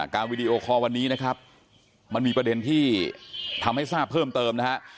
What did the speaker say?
วีดีโอคอลวันนี้นะครับมันมีประเด็นที่ทำให้ทราบเพิ่มเติมนะฮะ